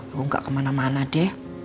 aku gak kemana mana deh